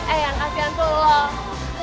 eh yang kasian tuh lo